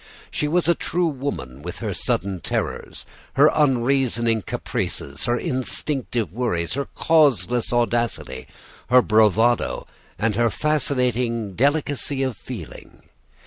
She was a true woman with her sudden terrors, her unreasoning caprices, her instinctive worries, her causeless audacity, her bravado, and her fascinating delicacy of feeling.